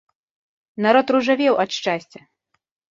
Народ ружавеў ад шчасця!